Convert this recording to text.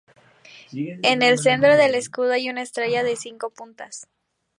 En el centro del escudo hay una estrella de cinco puntas.